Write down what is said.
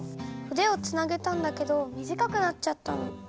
腕をつなげたんだけど短くなっちゃったの。